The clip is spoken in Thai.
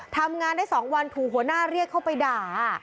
ทำงานได้๒วันถูกหัวหน้าเรียกเข้าไปด่า